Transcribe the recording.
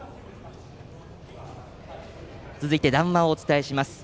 続いて談話をお伝えします。